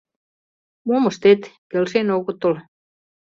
Мом ыштет, келшен огытыл.